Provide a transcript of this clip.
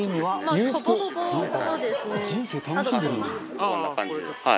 こんな感じではい。